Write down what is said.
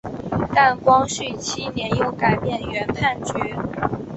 但光绪七年又改变原判决。